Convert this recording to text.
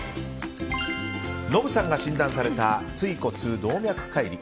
ノブさんが診断された椎骨動脈解離。